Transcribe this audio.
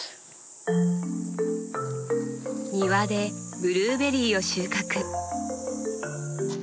庭でブルーベリーを収穫。